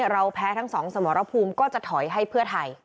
เราแพ้ทั้งสองสมรภูมิก็จะถอยให้เพื่อไทย